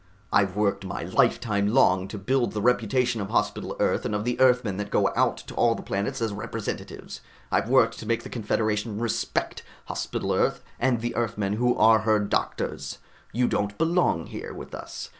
I've worked my lifetime long to build the reputation of Hospital Earth and of the Earthmen that go out to all the planets as representatives. I've worked to make the Confederation respect Hospital Earth and the Earthmen who are her doctors. You don't belong here with us.